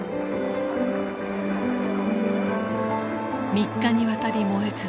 ３日にわたり燃え続け